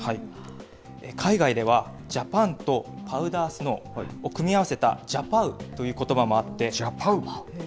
海外ではジャパンとパウダースノーを組み合わせたジャパウとジャパウ？